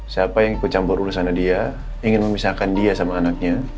siapa yang ikut campur urusan dia